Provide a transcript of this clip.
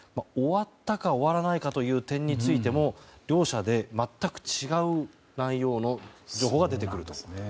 終わったか、終わらないかという点についても両者で全く違う内容の情報が出てくると。